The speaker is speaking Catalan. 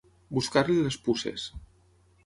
Buscar-li les puces.